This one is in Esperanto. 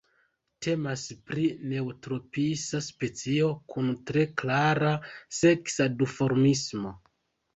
Temas pri neotropisa specio kun tre klara seksa duformismo.